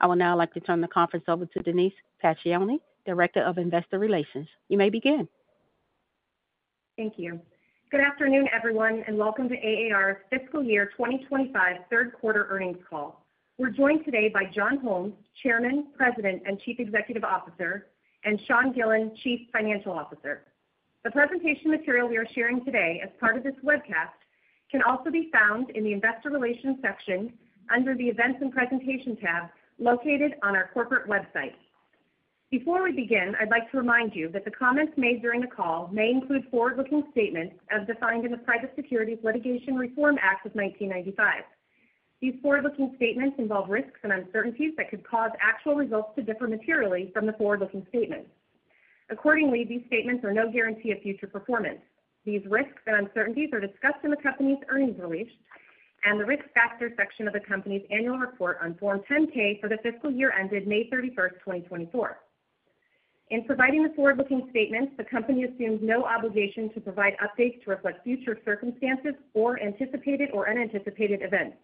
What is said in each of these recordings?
I will now like to turn the conference over to Denise Pacioni, Director of Investor Relations. You may begin. Thank you. Good afternoon, everyone, and welcome to AAR's Fiscal Year 2025 Third Quarter Earnings Call. We're joined today by John Holmes, Chairman, President, and Chief Executive Officer, and Sean Gillen, Chief Financial Officer. The presentation material we are sharing today as part of this webcast can also be found in the Investor Relations section under the Events and Presentation tab located on our corporate website. Before we begin, I'd like to remind you that the comments made during the call may include forward-looking statements as defined in the Private Securities Litigation Reform Act of 1995. These forward-looking statements involve risks and uncertainties that could cause actual results to differ materially from the forward-looking statements. Accordingly, these statements are no guarantee of future performance. These risks and uncertainties are discussed in the company's earnings release and the risk factor section of the company's annual report on Form 10-K for the fiscal year ended May 31st, 2024. In providing the forward-looking statements, the company assumes no obligation to provide updates to reflect future circumstances or anticipated or unanticipated events.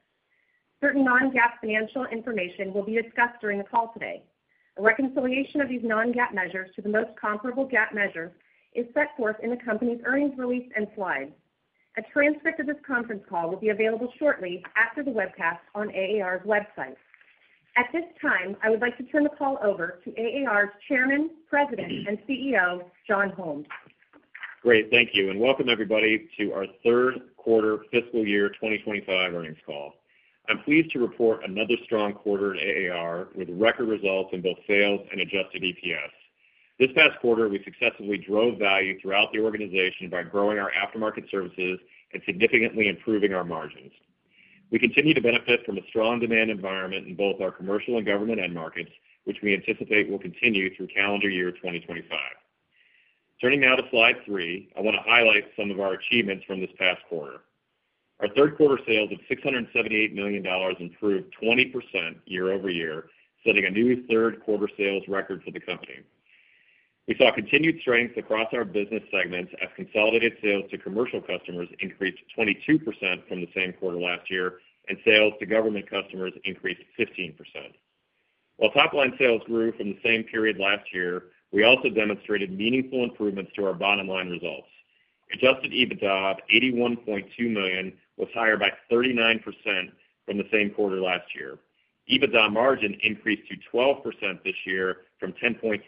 Certain non-GAAP financial information will be discussed during the call today. A reconciliation of these non-GAAP measures to the most comparable GAAP measures is set forth in the company's earnings release and slides. A transcript of this conference call will be available shortly after the webcast on AAR's website. At this time, I would like to turn the call over to AAR's Chairman, President, and CEO, John Holmes. Great. Thank you. Welcome, everybody, to our Third Quarter Fiscal Year 2025 Earnings Call. I'm pleased to report another strong quarter at AAR with record results in both sales and adjusted EPS. This past quarter, we successfully drove value throughout the organization by growing our aftermarket services and significantly improving our margins. We continue to benefit from a strong demand environment in both our commercial and government end markets, which we anticipate will continue through calendar year 2025. Turning now to slide three, I want to highlight some of our achievements from this past quarter. Our third quarter sales of $678 million improved 20% year-over-year, setting a new third quarter sales record for the company. We saw continued strength across our business segments as consolidated sales to commercial customers increased 22% from the same quarter last year, and sales to government customers increased 15%. While top-line sales grew from the same period last year, we also demonstrated meaningful improvements to our bottom-line results. Adjusted EBITDA, of $81.2 million, was higher by 39% from the same quarter last year. EBITDA margin increased to 12% this year from 10.3%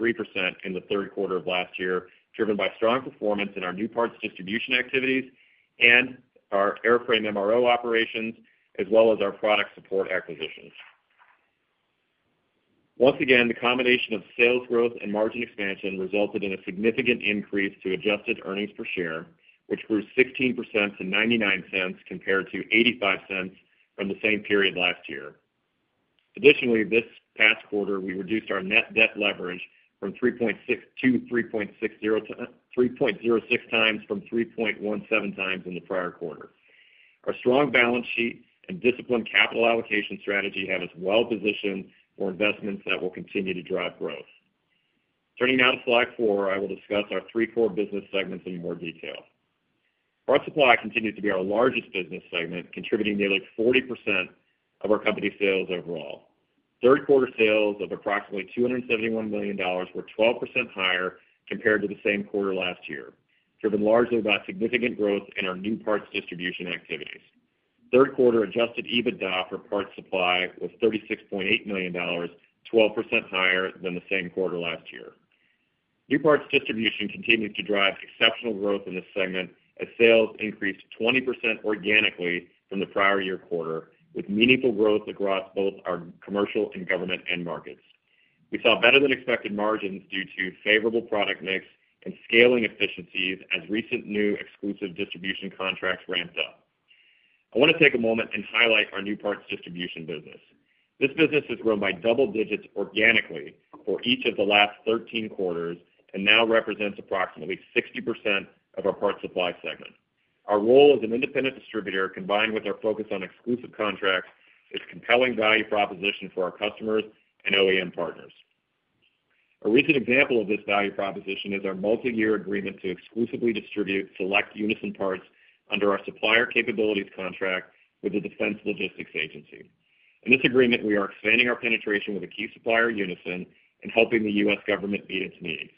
in the third quarter of last year, driven by strong performance in our new parts distribution activities and our airframe MRO operations, as well as our product support acquisitions. Once again, the combination of sales growth and margin expansion resulted in a significant increase to adjusted earnings per share, which grew 16% to $0.99 compared to $0.85 from the same period last year. Additionally, this past quarter, we reduced our net debt leverage from 3.06x from 3.17x in the prior quarter. Our strong balance sheet and disciplined capital allocation strategy have us well positioned for investments that will continue to drive growth. Turning now to slide four, I will discuss our three core business segments in more detail. Parts supply continues to be our largest business segment, contributing nearly 40% of our company sales overall. Third quarter sales of approximately $271 million were 12% higher compared to the same quarter last year, driven largely by significant growth in our new parts distribution activities. Third quarter adjusted EBITDA for parts supply was $36.8 million, 12% higher than the same quarter last year. New parts distribution continues to drive exceptional growth in this segment as sales increased 20% organically from the prior year quarter, with meaningful growth across both our commercial and government end markets. We saw better-than-expected margins due to favorable product mix and scaling efficiencies as recent new exclusive distribution contracts ramped up. I want to take a moment and highlight our new parts distribution business. This business has grown by double digits organically for each of the last 13 quarters and now represents approximately 60% of our parts supply segment. Our role as an independent distributor, combined with our focus on exclusive contracts, is a compelling value proposition for our customers and OEM partners. A recent example of this value proposition is our multi-year agreement to exclusively distribute select Unison parts under our supplier capabilities contract with the Defense Logistics Agency. In this agreement, we are expanding our penetration with a key supplier, Unison, and helping the U.S. Government meet its needs.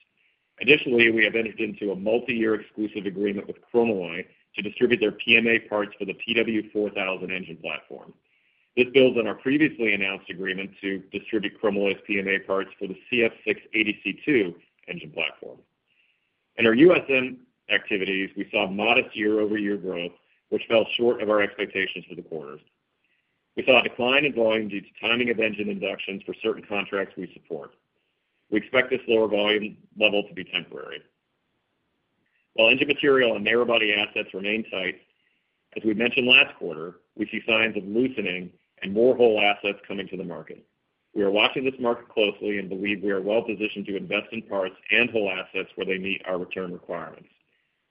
Additionally, we have entered into a multi-year exclusive agreement with Chromalloy to distribute their PMA parts for the PW4000 engine platform. This builds on our previously announced agreement to distribute Chromalloy's PMA parts for the CF6-80C2 engine platform. In our U.S.M. activities, we saw modest year-over-year growth, which fell short of our expectations for the quarter. We saw a decline in volume due to timing of engine inductions for certain contracts we support. We expect this lower volume level to be temporary. While engine material and narrowbody assets remain tight, as we mentioned last quarter, we see signs of loosening and more whole assets coming to the market. We are watching this market closely and believe we are well positioned to invest in parts and whole assets where they meet our return requirements.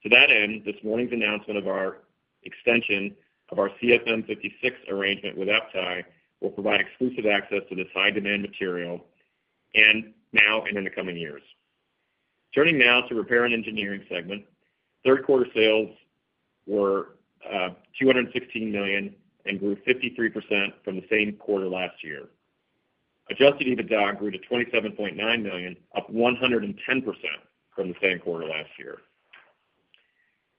To that end, this morning's announcement of our extension of our CFM56 arrangement with FTAI will provide exclusive access to this high-demand material now and in the coming years. Turning now to the repair and engineering segment, third quarter sales were $216 million and grew 53% from the same quarter last year. Adjusted EBITDA grew to $27.9 million, up 110% from the same quarter last year.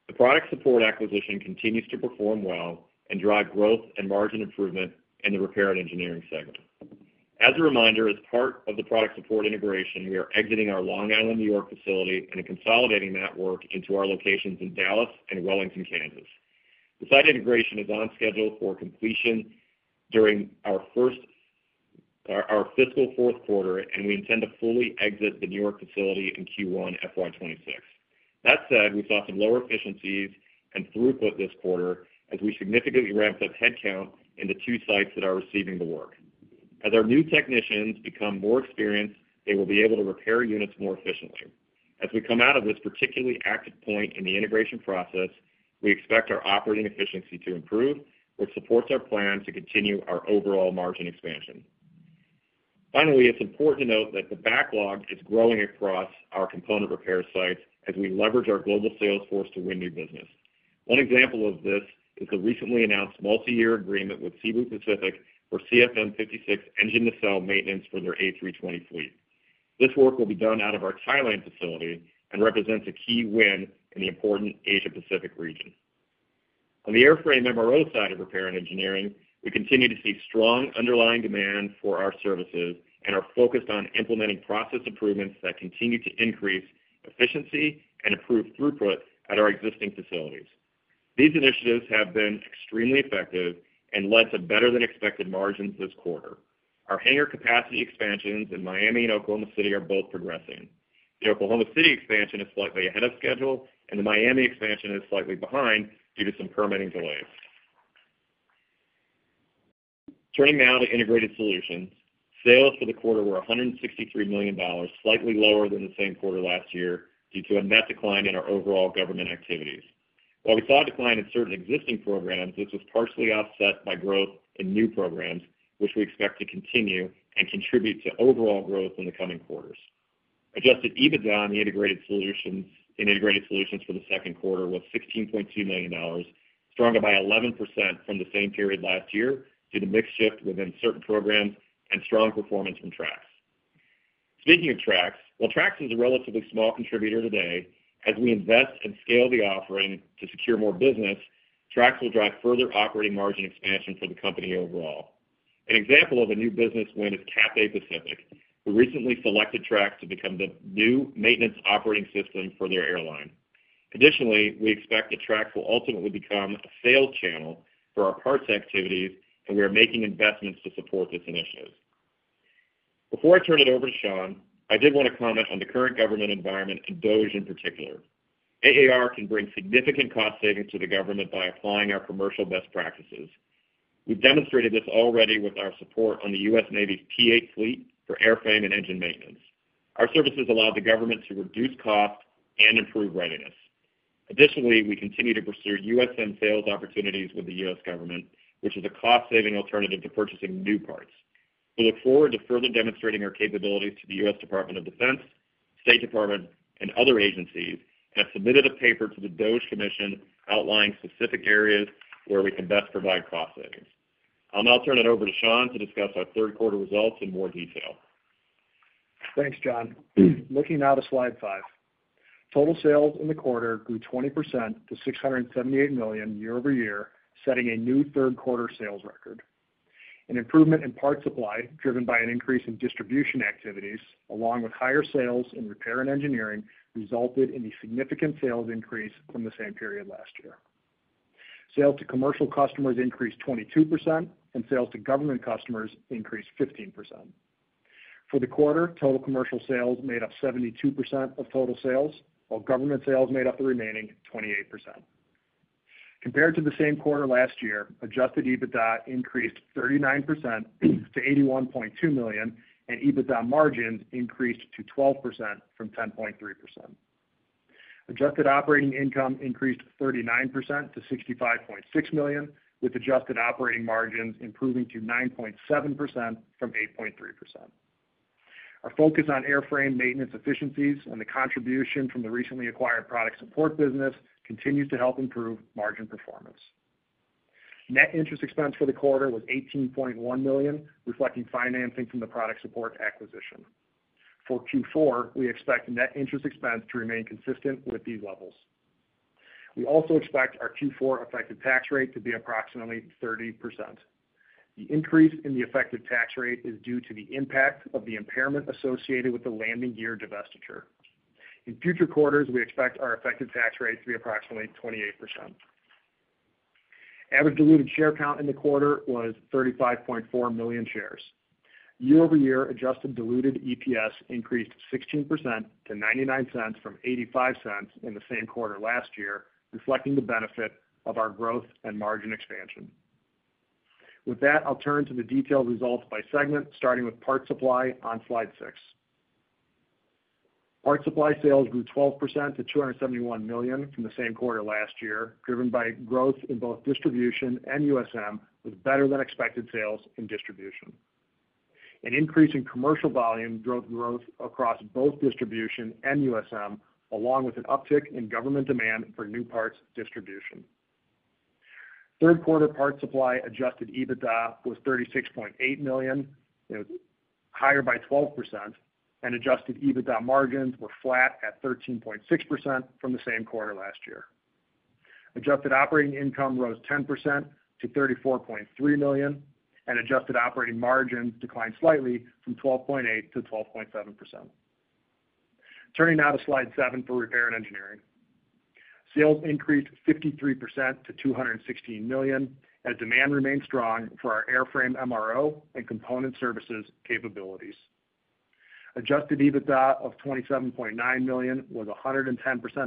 The product support acquisition continues to perform well and drive growth and margin improvement in the repair and engineering segment. As a reminder, as part of the product support integration, we are exiting our Long Island, New York, facility and consolidating that work into our locations in Dallas and Wellington, Kansas. The site integration is on schedule for completion during our fiscal fourth quarter, and we intend to fully exit the New York facility in Q1 FY2026. That said, we saw some lower efficiencies and throughput this quarter as we significantly ramped up headcount in the two sites that are receiving the work. As our new technicians become more experienced, they will be able to repair units more efficiently. As we come out of this particularly active point in the integration process, we expect our operating efficiency to improve, which supports our plan to continue our overall margin expansion. Finally, it's important to note that the backlog is growing across our component repair sites as we leverage our global sales force to win new business. One example of this is the recently announced multi-year agreement with Cebu Pacific for CFM56 engine nacelle maintenance for their A320 fleet. This work will be done out of our Thailand facility and represents a key win in the important Asia-Pacific region. On the airframe MRO side of repair and engineering, we continue to see strong underlying demand for our services and are focused on implementing process improvements that continue to increase efficiency and improve throughput at our existing facilities. These initiatives have been extremely effective and led to better-than-expected margins this quarter. Our hangar capacity expansions in Miami and Oklahoma City are both progressing. The Oklahoma City expansion is slightly ahead of schedule, and the Miami expansion is slightly behind due to some permitting delays. Turning now to integrated solutions, sales for the quarter were $163 million, slightly lower than the same quarter last year due to a net decline in our overall government activities. While we saw a decline in certain existing programs, this was partially offset by growth in new programs, which we expect to continue and contribute to overall growth in the coming quarters. Adjusted EBITDA in integrated solutions for the second quarter was $16.2 million, stronger by 11% from the same period last year due to mixed shift within certain programs and strong performance from TRAX. Speaking of TRAX, while TRAX is a relatively small contributor today, as we invest and scale the offering to secure more business, TRAX will drive further operating margin expansion for the company overall. An example of a new business win is Cathay Pacific, who recently selected TRAX to become the new maintenance operating system for their airline. Additionally, we expect that TRAX will ultimately become a sales channel for our parts activities, and we are making investments to support this initiative. Before I turn it over to Sean, I did want to comment on the current government environment and DOGE in particular. AAR can bring significant cost savings to the government by applying our commercial best practices. We've demonstrated this already with our support on the U.S. Navy's P-8 fleet for airframe and engine maintenance. Our services allow the government to reduce cost and improve readiness. Additionally, we continue to pursue USM sales opportunities with the U.S. Government, which is a cost-saving alternative to purchasing new parts. We look forward to further demonstrating our capabilities to the U.S. Department of Defense, State Department, and other agencies and have submitted a paper to the DOGE Commission outlining specific areas where we can best provide cost savings. I'll now turn it over to Sean to discuss our third quarter results in more detail. Thanks, John. Looking now to slide five, total sales in the quarter grew 20% to $678 million year-over-year, setting a new third quarter sales record. An improvement in parts supply, driven by an increase in distribution activities, along with higher sales in repair and engineering, resulted in a significant sales increase from the same period last year. Sales to commercial customers increased 22%, and sales to government customers increased 15%. For the quarter, total commercial sales made up 72% of total sales, while government sales made up the remaining 28%. Compared to the same quarter last year, adjusted EBITDA increased 39% to $81.2 million, and EBITDA margins increased to 12% from 10.3%. Adjusted operating income increased 39% to $65.6 million, with adjusted operating margins improving to 9.7% from 8.3%. Our focus on airframe maintenance efficiencies and the contribution from the recently acquired product support business continues to help improve margin performance. Net interest expense for the quarter was $18.1 million, reflecting financing from the product support acquisition. For Q4, we expect net interest expense to remain consistent with these levels. We also expect our Q4 effective tax rate to be approximately 30%. The increase in the effective tax rate is due to the impact of the impairment associated with the landing gear divestiture. In future quarters, we expect our effective tax rate to be approximately 28%. Average diluted share count in the quarter was 35.4 million shares. Year-over-year, adjusted diluted EPS increased 16% to $0.99 from $0.85 in the same quarter last year, reflecting the benefit of our growth and margin expansion. With that, I'll turn to the detailed results by segment, starting with parts supply on slide six. Parts supply sales grew 12% to $271 million from the same quarter last year, driven by growth in both distribution and USM, with better-than-expected sales in distribution. An increase in commercial volume drove growth across both distribution and USM, along with an uptick in government demand for new parts distribution. Third quarter parts supply adjusted EBITDA was $36.8 million, higher by 12%, and adjusted EBITDA margins were flat at 13.6% from the same quarter last year. Adjusted operating income rose 10% to $34.3 million, and adjusted operating margins declined slightly from 12.8%-12.7%. Turning now to slide seven for repair and engineering. Sales increased 53% to $216 million, and demand remained strong for our airframe MRO and component services capabilities. Adjusted EBITDA of $27.9 million was 110%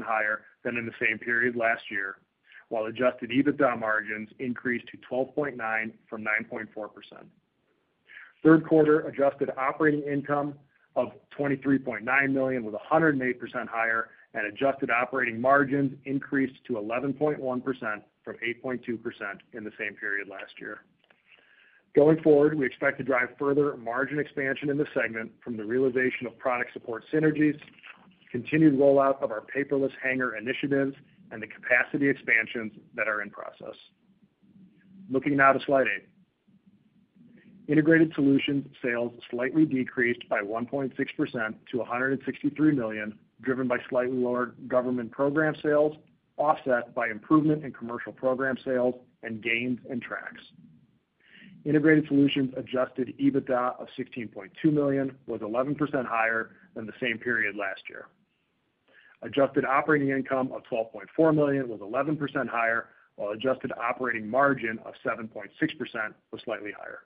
higher than in the same period last year, while adjusted EBITDA margins increased to 12.9% from 9.4%. Third quarter adjusted operating income of $23.9 million was 108% higher, and adjusted operating margins increased to 11.1% from 8.2% in the same period last year. Going forward, we expect to drive further margin expansion in this segment from the realization of product support synergies, continued rollout of our paperless hangar initiatives, and the capacity expansions that are in process. Looking now to slide eight. Integrated solutions sales slightly decreased by 1.6% to $163 million, driven by slightly lower government program sales, offset by improvement in commercial program sales and gains in TRAX. Integrated solutions adjusted EBITDA of $16.2 million was 11% higher than the same period last year. Adjusted operating income of $12.4 million was 11% higher, while adjusted operating margin of 7.6% was slightly higher.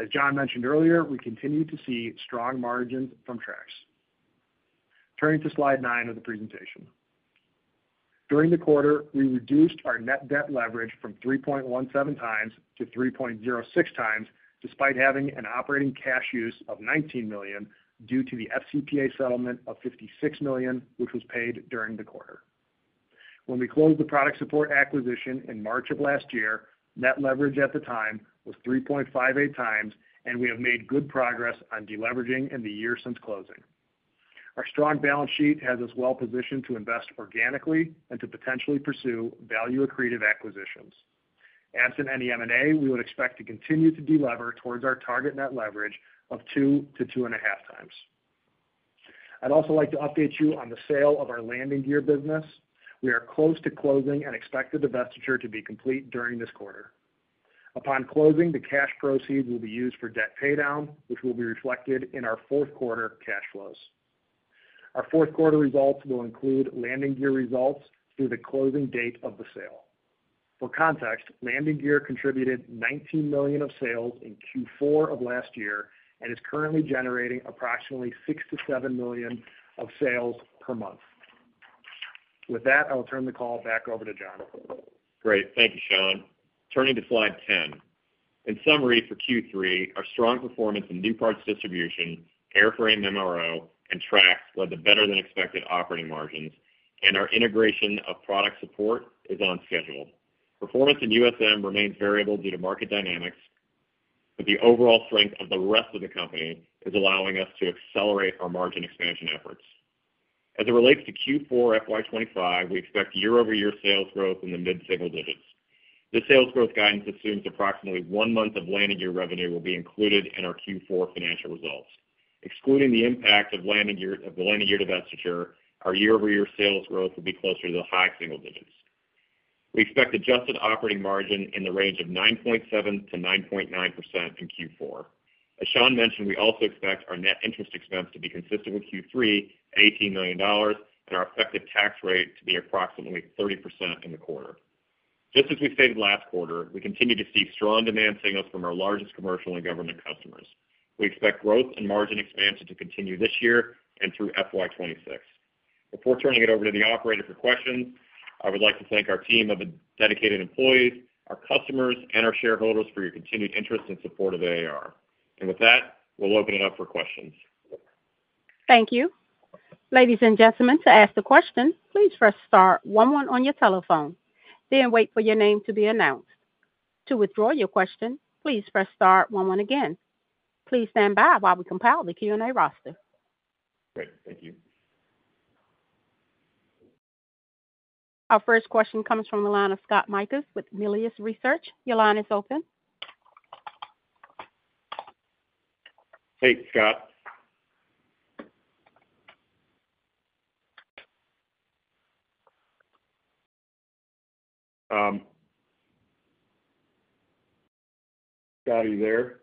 As John mentioned earlier, we continue to see strong margins from TRAX. Turning to slide nine of the presentation. During the quarter, we reduced our net debt leverage from 3.17x-3.06x, despite having an operating cash use of $19 million due to the FCPA settlement of $56 million, which was paid during the quarter. When we closed the product support acquisition in March of last year, net leverage at the time was 3.58x, and we have made good progress on deleveraging in the year since closing. Our strong balance sheet has us well positioned to invest organically and to potentially pursue value-accretive acquisitions. Absent any M&A, we would expect to continue to delever towards our target net leverage of 2x-2.5x. I'd also like to update you on the sale of our landing gear business. We are close to closing and expect the divestiture to be complete during this quarter. Upon closing, the cash proceeds will be used for debt paydown, which will be reflected in our fourth quarter cash flows. Our fourth quarter results will include landing gear results through the closing date of the sale. For context, landing gear contributed $19 million of sales in Q4 of last year and is currently generating approximately $6 million-$7 million of sales per month. With that, I'll turn the call back over to John. Great. Thank you, Sean. Turning to slide 10. In summary, for Q3, our strong performance in new parts distribution, airframe MRO, and TRAX led to better-than-expected operating margins, and our integration of product support is on schedule. Performance in USM remains variable due to market dynamics, but the overall strength of the rest of the company is allowing us to accelerate our margin expansion efforts. As it relates to Q4 FY2025, we expect year-over-year sales growth in the mid-single digits. This sales growth guidance assumes approximately one month of landing gear revenue will be included in our Q4 financial results. Excluding the impact of landing gear divestiture, our year-over-year sales growth will be closer to the high single-digits. We expect adjusted operating margin in the range of 9.7%-9.9% in Q4. As Sean mentioned, we also expect our net interest expense to be consistent with Q3 at $18 million, and our effective tax rate to be approximately 30% in the quarter. Just as we stated last quarter, we continue to see strong demand signals from our largest commercial and government customers. We expect growth and margin expansion to continue this year and through FY2026. Before turning it over to the operator for questions, I would like to thank our team of dedicated employees, our customers, and our shareholders for your continued interest and support of AAR. With that, we'll open it up for questions. Thank you. Ladies and gentlemen, to ask a question, please press star one one on your telephone. Then wait for your name to be announced. To withdraw your question, please press star one one again. Please stand by while we compile the Q&A roster. Great. Thank you. Our first question comes from the line of Scott Mikus with Melius Research. Your line is open. Hey, Scott. Scott, are you there?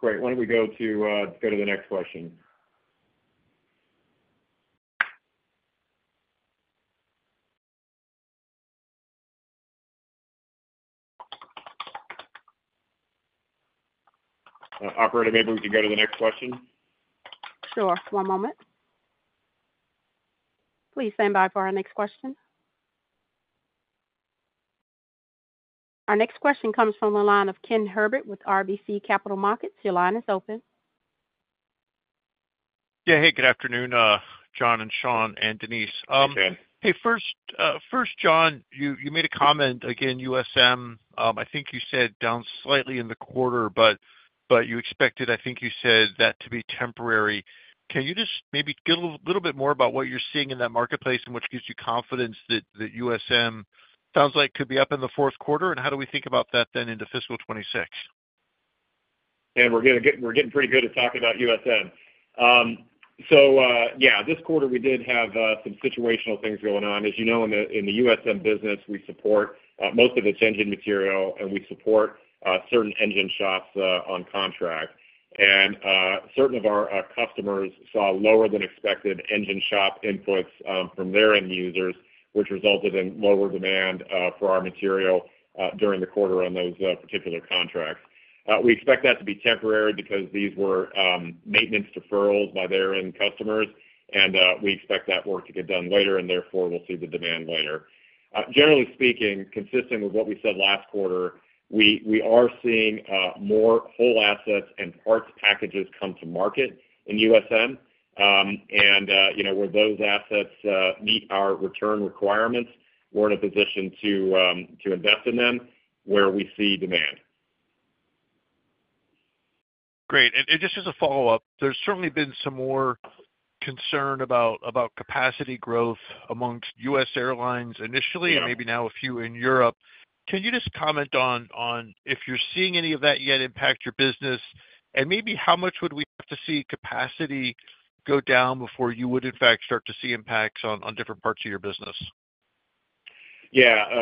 Great. Why don't we go to the next question? Operator, maybe we can go to the next question? Sure. One moment. Please stand by for our next question. Our next question comes from the line of Ken Herbert with RBC Capital Markets. Your line is open. Yeah. Hey, good afternoon, John, and Sean, and Denise. Hey, Ken. Hey, first, John, you made a comment, again, USM I think you said down slightly in the quarter, but you expected, I think you said, that to be temporary. Can you just maybe give a little bit more about what you're seeing in that marketplace and what gives you confidence that USM sounds like could be up in the fourth quarter? How do we think about that then into fiscal 2026? We're getting pretty good at talking about USM This quarter, we did have some situational things going on. As you know, in the USM business, we support most of its engine material, and we support certain engine shops on contract. Certain of our customers saw lower-than-expected engine shop inputs from their end users, which resulted in lower demand for our material during the quarter on those particular contracts. We expect that to be temporary because these were maintenance deferrals by their end customers, and we expect that work to get done later, and therefore, we'll see the demand later. Generally speaking, consistent with what we said last quarter, we are seeing more whole assets and parts packages come to market in USM Where those assets meet our return requirements, we're in a position to invest in them where we see demand. Great. Just as a follow-up, there's certainly been some more concern about capacity growth amongst U.S. Airlines initially and maybe now a few in Europe. Can you just comment on if you're seeing any of that yet impact your business? Maybe how much would we have to see capacity go down before you would, in fact, start to see impacts on different parts of your business?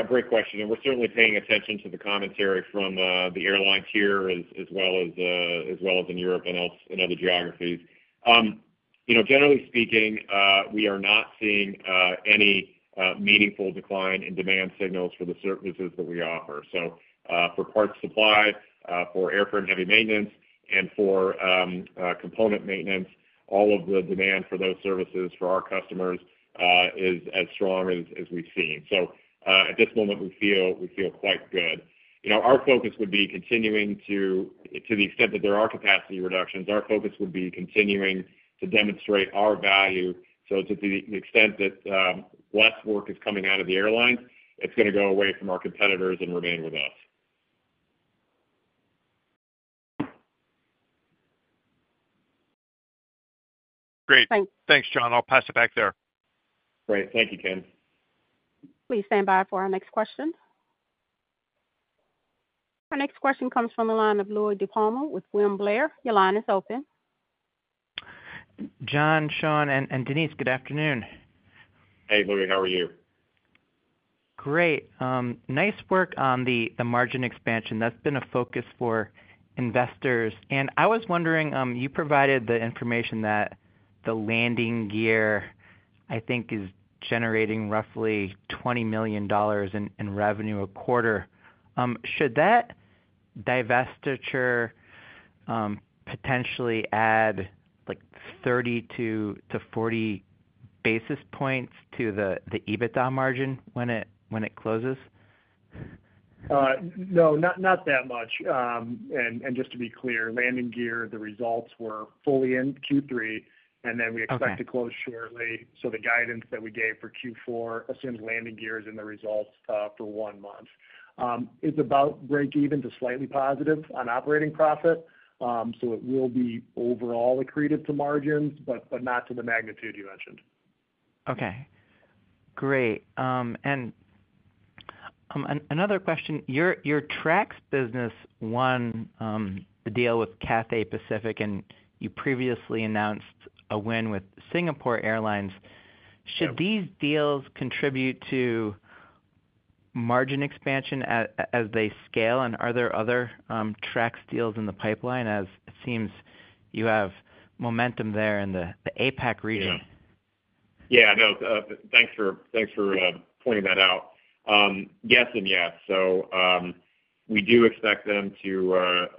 Great question. We're certainly paying attention to the commentary from the airlines here as well as in Europe and other geographies. Generally speaking, we are not seeing any meaningful decline in demand signals for the services that we offer. For parts supply, for airframe heavy maintenance, and for component maintenance, all of the demand for those services for our customers is as strong as we've seen. At this moment, we feel quite good. Our focus would be continuing to, to the extent that there are capacity reductions, our focus would be continuing to demonstrate our value. To the extent that less work is coming out of the airlines, it's going to go away from our competitors and remain with us. Great. Thanks, John. I'll pass it back there. Great. Thank you, Ken. Please stand by for our next question. Our next question comes from the line of Louie DiPalma with William Blair. Your line is open. John, Sean, and Denise, good afternoon. Hey, Louie. How are you? Great. Nice work on the margin expansion. That's been a focus for investors. I was wondering, you provided the information that the landing gear, I think, is generating roughly $20 million in revenue a quarter. Should that divestiture potentially add 30 basis points-40 basis points to the EBITDA margin when it closes? No, not that much. Just to be clear, landing gear, the results were fully in Q3, and we expect to close shortly. The guidance that we gave for Q4 assumes landing gear is in the results for one month. It is about break-even to slightly positive on operating profit. It will be overall accretive to margins, but not to the magnitude you mentioned. Okay. Great. Another question. Your TRAX business won the deal with Cathay Pacific, and you previously announced a win with Singapore Airlines. Should these deals contribute to margin expansion as they scale? Are there other TRAX deals in the pipeline as it seems you have momentum there in the APAC region? Yeah. Yeah. No. Thanks for pointing that out. Yes and yes. We do expect them to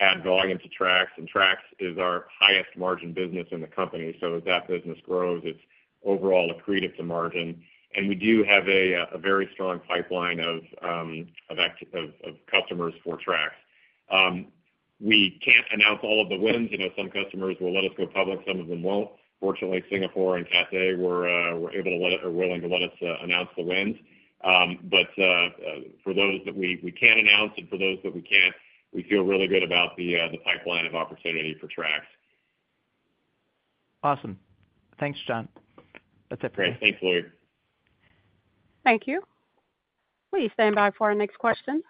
add volume to TRAX. TRAX is our highest margin business in the company. As that business grows, it's overall accretive to margin. We do have a very strong pipeline of customers for TRAX. We can't announce all of the wins. Some customers will let us go public. Some of them won't. Fortunately, Singapore and Cathay were able to let us or willing to let us announce the wins. For those that we can announce and for those that we can't, we feel really good about the pipeline of opportunity for TRAX. Awesome. Thanks, John. That's it for me. Great. Thanks, Louie. Thank you. Please stand by for our next question.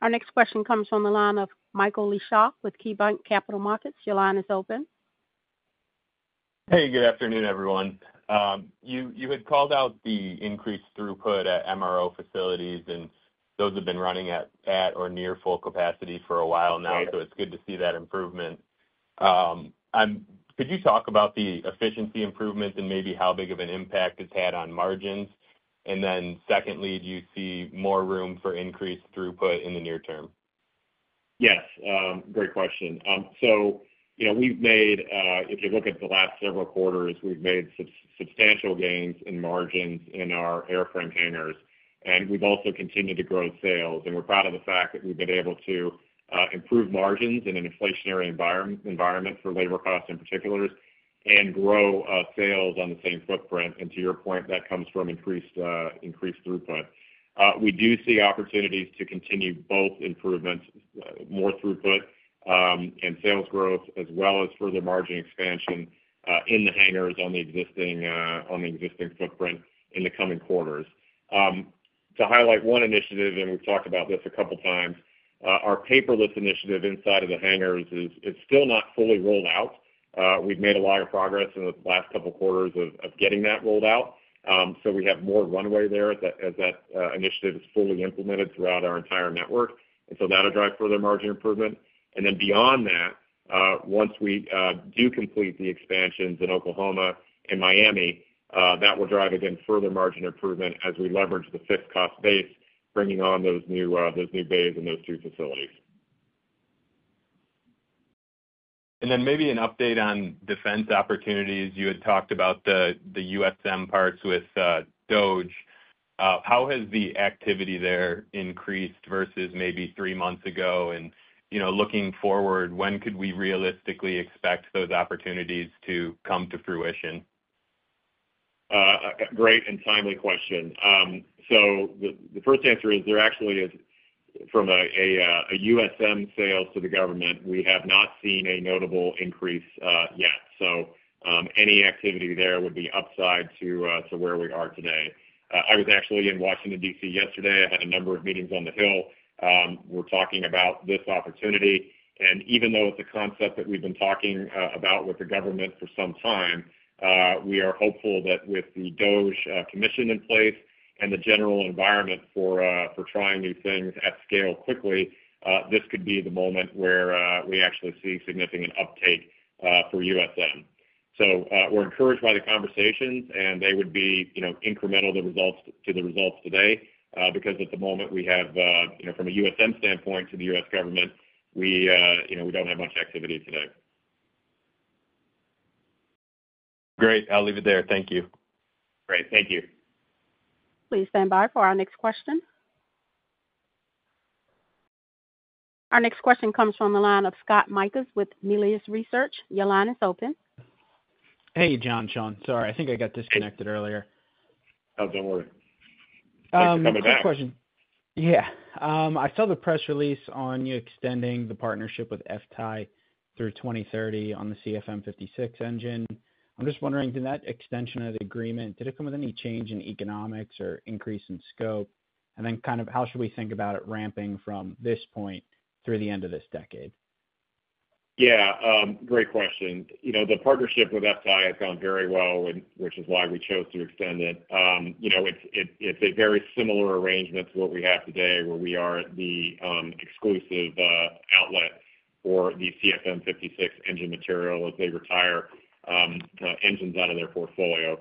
Our next question comes from the line of Michael Leshock with KeyBanc Capital Markets. Your line is open. Hey, good afternoon, everyone. You had called out the increased throughput at MRO facilities, and those have been running at or near full capacity for a while now. It is good to see that improvement. Could you talk about the efficiency improvement and maybe how big of an impact it has had on margins? Secondly, do you see more room for increased throughput in the near term? Yes. Great question. We have made, if you look at the last several quarters, we have made substantial gains in margins in our airframe hangars. We have also continued to grow sales. We are proud of the fact that we have been able to improve margins in an inflationary environment for labor costs in particular and grow sales on the same footprint. To your point, that comes from increased throughput. We do see opportunities to continue both improvements, more throughput and sales growth, as well as further margin expansion in the hangars on the existing footprint in the coming quarters. To highlight one initiative, and we've talked about this a couple of times, our paperless initiative inside of the hangars is still not fully rolled out. We've made a lot of progress in the last couple of quarters of getting that rolled out. We have more runway there as that initiative is fully implemented throughout our entire network. That will drive further margin improvement. Beyond that, once we do complete the expansions in Oklahoma and Miami, that will drive, again, further margin improvement as we leverage the fixed cost base, bringing on those new bays in those two facilities. Maybe an update on defense opportunities. You had talked about the USM parts with DOGE. How has the activity there increased versus maybe three months ago? Looking forward, when could we realistically expect those opportunities to come to fruition? Great and timely question. The first answer is there actually is, from a USM sales to the government, we have not seen a notable increase yet. Any activity there would be upside to where we are today. I was actually in Washington, D.C. yesterday. I had a number of meetings on the Hill. We're talking about this opportunity. Even though it's a concept that we've been talking about with the government for some time, we are hopeful that with the DOGE Commission in place and the general environment for trying new things at scale quickly, this could be the moment where we actually see significant uptake for USM. We're encouraged by the conversations, and they would be incremental to the results today because at the moment, we have, from a USM standpoint to the U.S. Government, we don't have much activity today. Great. I'll leave it there. Thank you. Great. Thank you. Please stand by for our next question. Our next question comes from the line of Scott Mikus with Melius Research. Your line is open. Hey, John, Sean. Sorry. I think I got disconnected earlier. Oh, don't worry. Thanks for coming back. Yeah. I saw the press release on you extending the partnership with FTAI through 2030 on the CFM56 engine. I'm just wondering, did that extension of the agreement, did it come with any change in economics or increase in scope? And then kind of how should we think about it ramping from this point through the end of this decade? Yeah. Great question. The partnership with FTAI has gone very well, which is why we chose to extend it. It's a very similar arrangement to what we have today where we are the exclusive outlet for the CFM56 engine material as they retire engines out of their portfolio.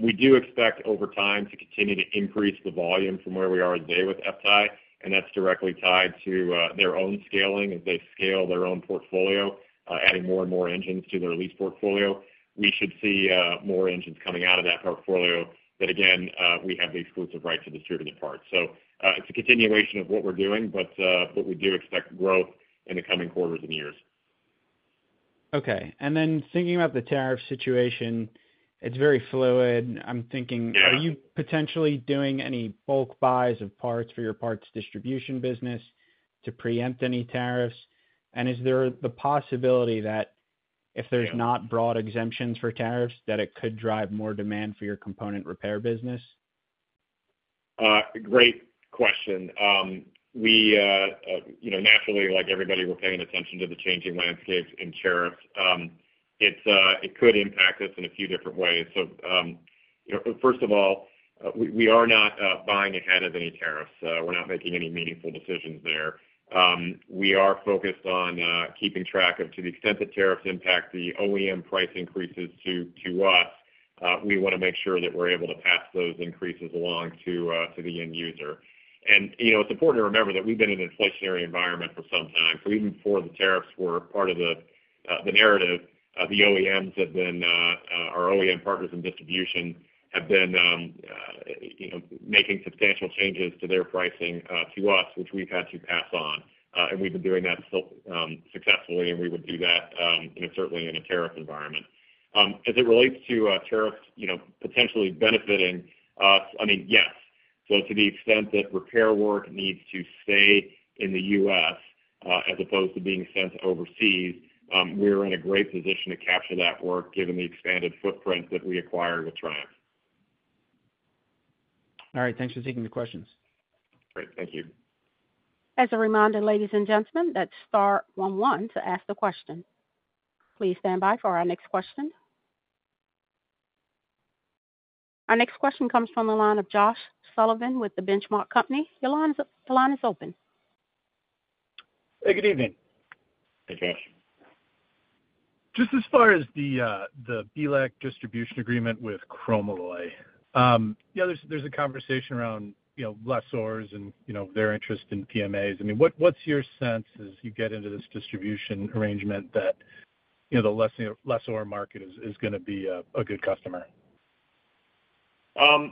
We do expect over time to continue to increase the volume from where we are today with FTAI. That's directly tied to their own scaling as they scale their own portfolio, adding more and more engines to their lease portfolio. We should see more engines coming out of that portfolio that, again, we have the exclusive right to distribute the parts. It's a continuation of what we're doing, but we do expect growth in the coming quarters and years. Okay. Thinking about the tariff situation, it's very fluid. I'm thinking, are you potentially doing any bulk buys of parts for your parts distribution business to preempt any tariffs? Is there the possibility that if there's not broad exemptions for tariffs, it could drive more demand for your component repair business? Great question. Naturally, like everybody, we're paying attention to the changing landscape in tariffs. It could impact us in a few different ways. First of all, we are not buying ahead of any tariffs. We're not making any meaningful decisions there. We are focused on keeping track of, to the extent that tariffs impact the OEM price increases to us, we want to make sure that we're able to pass those increases along to the end user. It's important to remember that we've been in an inflationary environment for some time. Even before the tariffs were part of the narrative, the OEMs, our OEM partners in distribution, have been making substantial changes to their pricing to us, which we've had to pass on. We've been doing that successfully, and we would do that certainly in a tariff environment. As it relates to tariffs potentially benefiting us, I mean, yes. To the extent that repair work needs to stay in the U.S. as opposed to being sent overseas, we're in a great position to capture that work given the expanded footprint that we acquired with Triumph. All right. Thanks for taking the questions. Great. Thank you. As a reminder, ladies and gentlemen, that's star one one to ask the question. Please stand by for our next question. Our next question comes from the line of Josh Sullivan with the Benchmark Company. Your line is open. Hey, good evening. Hey, Josh. Just as far as the Belac distribution agreement with Chromalloy, there's a conversation around lessors and their interest in PMAs. I mean, what's your sense as you get into this distribution arrangement that the lessor market is going to be a good customer? Yeah.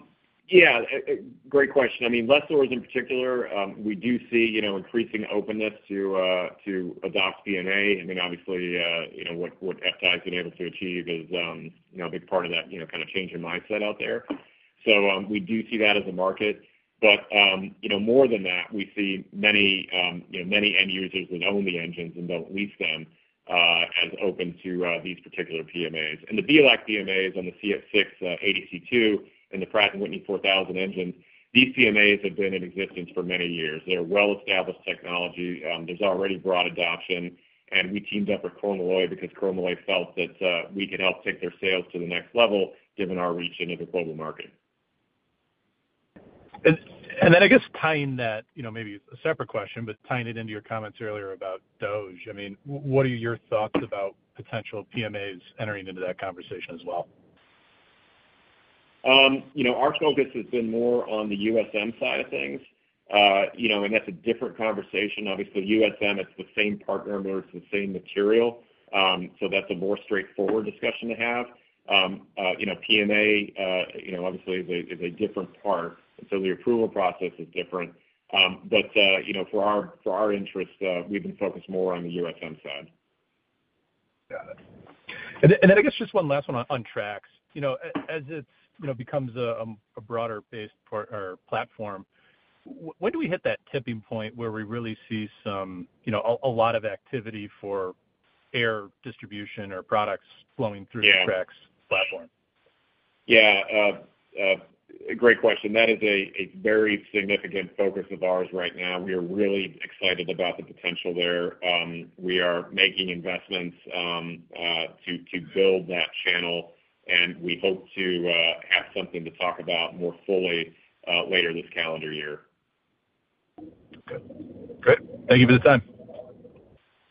Great question. I mean, lessors in particular, we do see increasing openness to adopt PMA. I mean, obviously, what FTAI has been able to achieve is a big part of that kind of change in mindset out there. We do see that as a market. More than that, we see many end users that own the engines and do not lease them as open to these particular PMAs. The Belac PMAs on the CF6-80C2 and the PW4000 engines, these PMAs have been in existence for many years. They are a well-established technology. There is already broad adoption. We teamed up with Chromalloy because Chromalloy felt that we could help take their sales to the next level given our reach into the global market. I guess tying that, maybe it's a separate question, but tying it into your comments earlier about DOGE, I mean, what are your thoughts about potential PMAs entering into that conversation as well? Our focus has been more on the USM side of things. That is a different conversation. Obviously, USM, it is the same partner and it is the same material. That is a more straightforward discussion to have. PMA, obviously, is a different part. The approval process is different. For our interests, we have been focused more on the USM side. Got it. I guess just one last one on TRAX. As it becomes a broader-based platform, when do we hit that tipping point where we really see a lot of activity for air distribution or products flowing through the TRAX platform? Yeah. Yeah. A great question. That is a very significant focus of ours right now. We are really excited about the potential there. We are making investments to build that channel. We hope to have something to talk about more fully later this calendar year. Good. Thank you for the time.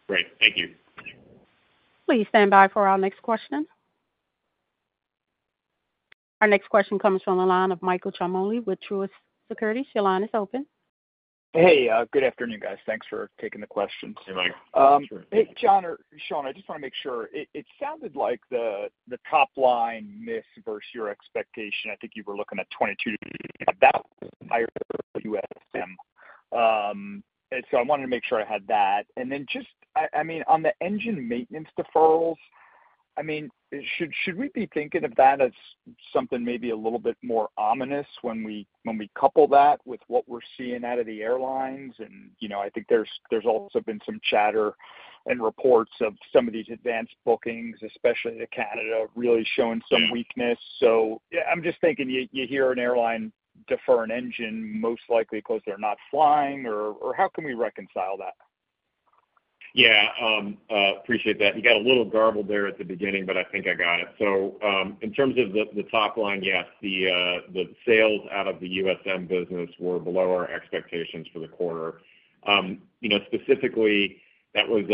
Great. Thank you. Please stand by for our next question. Our next question comes from the line of Michael Ciarmoli with Truist Securities. Your line is open. Hey, good afternoon, guys. Thanks for taking the question. Hey, Mike. Hey, John or Sean, I just want to make sure. It sounded like the top line missed versus your expectation. I think you were looking at 22, about higher USM So I wanted to make sure I had that. And then just, I mean, on the engine maintenance deferrals, I mean, should we be thinking of that as something maybe a little bit more ominous when we couple that with what we're seeing out of the airlines? I think there's also been some chatter and reports of some of these advanced bookings, especially to Canada, really showing some weakness. I'm just thinking you hear an airline defer an engine most likely because they're not flying. Or how can we reconcile that? Yeah. Appreciate that. You got a little garbled there at the beginning, but I think I got it. In terms of the top line, yes, the sales out of the USM business were below our expectations for the quarter. Specifically, that was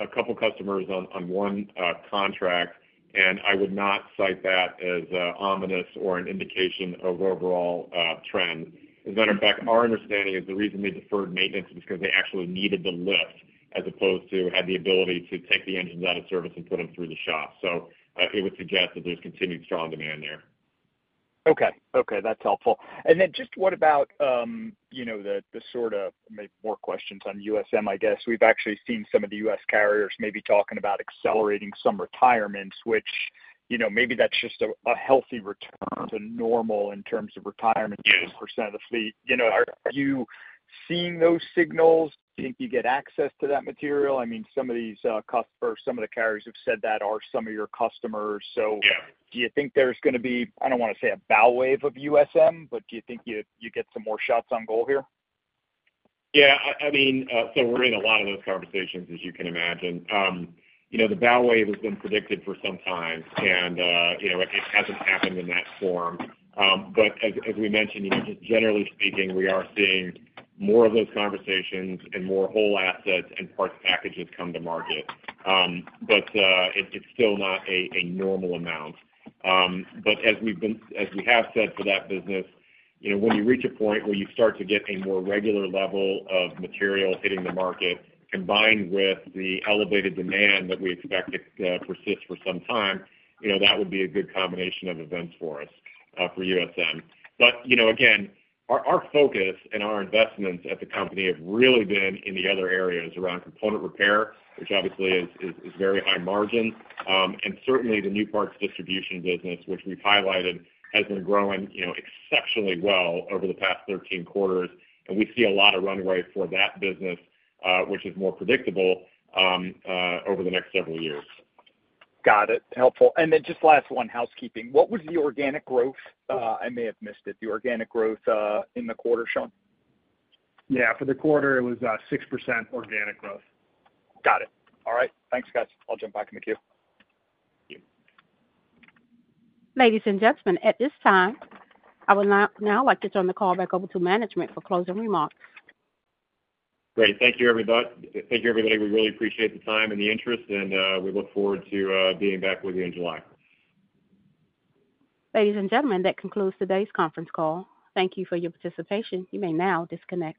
a couple of customers on one contract. I would not cite that as ominous or an indication of overall trend. As a matter of fact, our understanding is the reason they deferred maintenance was because they actually needed the lift as opposed to had the ability to take the engines out of service and put them through the shop. It would suggest that there's continued strong demand there. Okay. Okay. That's helpful. Just what about the sort of more questions on USM, I guess? We've actually seen some of the U.S. carriers maybe talking about accelerating some retirements, which maybe that's just a healthy return to normal in terms of retirement percent of the fleet. Are you seeing those signals? Do you think you get access to that material? I mean, some of these customers, some of the carriers have said that are some of your customers. Do you think there's going to be, I don't want to say a bow wave of USM, but do you think you get some more shots on goal here? Yeah. I mean, so we're in a lot of those conversations, as you can imagine. The bow wave has been predicted for some time, and it hasn't happened in that form. As we mentioned, just generally speaking, we are seeing more of those conversations and more whole assets and parts packages come to market. It's still not a normal amount. As we have said for that business, when you reach a point where you start to get a more regular level of material hitting the market combined with the elevated demand that we expect to persist for some time, that would be a good combination of events for us, for USM. Again, our focus and our investments at the company have really been in the other areas around component repair, which obviously is very high margin. Certainly, the new parts distribution business, which we've highlighted, has been growing exceptionally well over the past 13 quarters. We see a lot of runway for that business, which is more predictable over the next several years. Got it. Helpful. Just last one, housekeeping. What was the organic growth? I may have missed it. The organic growth in the quarter, Sean? Yeah. For the quarter, it was 6% organic growth. Got it. All right. Thanks, guys. I'll jump back in the queue. Ladies and gentlemen, at this time, I would now like to turn the call back over to management for closing remarks. Great. Thank you, everybody. We really appreciate the time and the interest, and we look forward to being back with you in July. Ladies and gentlemen, that concludes today's conference call. Thank you for your participation. You may now disconnect.